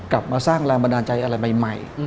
กลับมาสร้างแรงบันดาลใจอะไรใหม่